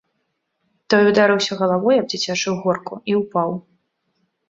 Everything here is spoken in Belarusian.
Той ударыўся галавой аб дзіцячую горку і ўпаў.